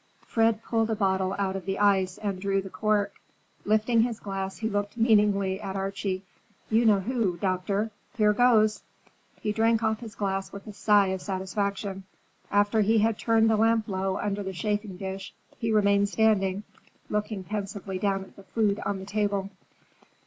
Fred pulled a bottle out of the ice and drew the cork. Lifting his glass he looked meaningly at Archie. "You know who, doctor. Here goes!" He drank off his glass with a sigh of satisfaction. After he had turned the lamp low under the chafing dish, he remained standing, looking pensively down at the food on the table.